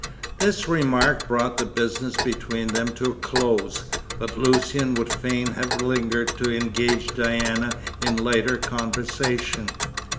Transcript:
This remark brought the business between them to a close, but Lucian would fain have lingered to engage Diana in lighter conversation.